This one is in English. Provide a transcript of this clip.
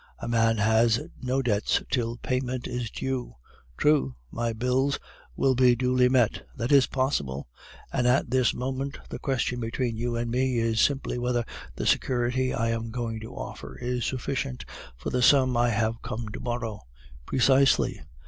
'A man has no debts till payment is due.' "'True.' "'My bills will be duly met.' "'That is possible.' "'And at this moment the question between you and me is simply whether the security I am going to offer is sufficient for the sum I have come to borrow.' "'Precisely.